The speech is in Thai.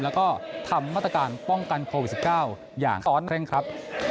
แล้วก็ทำมาตรการป้องกันโควิด๑๙อย่างซ้อนเร่งครัด